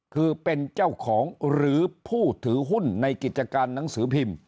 คือเป็นเจ้าของหรือผู้ถือหุ้นในกิจการหนังสือพิมพ์